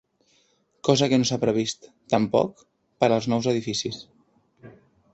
Cosa que no s’ha previst, tampoc, per als nous edificis.